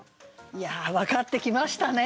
いや分かってきましたね。